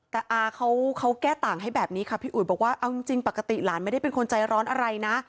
แต่อาเขาแก้ต่างให้แบบนี้ค่ะพี่อุ๋ยบอกว่าเอาจริงปกติหลานไม่ได้เป็นคนใจร้อนอะไรนะ